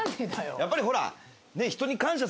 やっぱりほら。